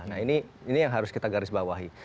nah ini yang harus kita garis bawahi